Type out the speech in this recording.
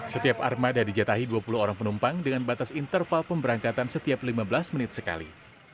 setiap armada dijatahi dua puluh orang penumpang dengan batas interval pemberangkatan setiap lima belas menit sekali